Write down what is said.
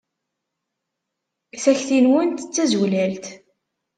Takti-nwen d tazulalt.